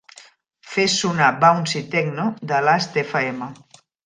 Fes sonar bouncy techno de Lastfm.